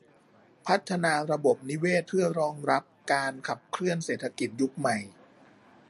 พัฒนาระบบนิเวศเพื่อรองรับการขับเคลื่อนเศรษฐกิจยุคใหม่